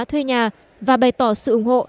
thuê nhà và bày tỏ sự ủng hộ